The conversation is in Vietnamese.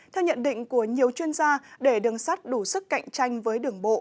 theo nhận định của nhiều chuyên gia để đường sắt đủ sức cạnh tranh với đường bộ